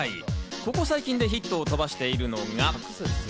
ここ最近でヒットを飛ばしているのが。